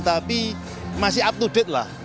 tapi masih up to date lah